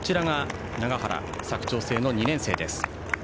佐久長聖の２年生です。